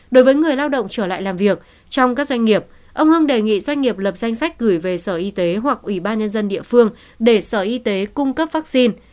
đối với người lao động trở lại làm việc trong các doanh nghiệp ông hưng đề nghị doanh nghiệp lập danh sách gửi về sở y tế hoặc ủy ban nhân dân địa phương để sở y tế cung cấp vaccine